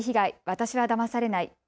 私はだまされない。